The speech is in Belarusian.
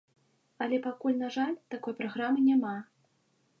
Але пакуль, на жаль, такой праграмы няма.